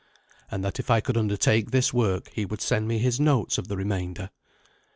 And that if I could undertake this work he would send me his notes of the remainder.